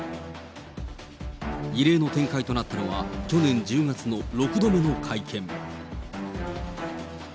異例の展開となったのは、去年１０月の６度目の会見。